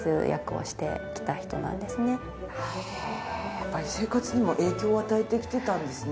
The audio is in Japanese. やっぱり生活にも影響を与えてきてたんですね。